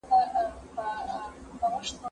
زه پرون پاکوالي وساته؟